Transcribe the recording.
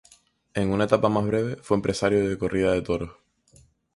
En una etapa más breve, fue empresario de corridas de toros.